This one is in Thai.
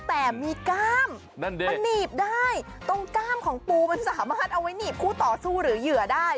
แต่มีก้ามมันหนีบได้ตรงก้ามของปูมันสามารถเอาไว้หนีบคู่ต่อสู้หรือเหยื่อได้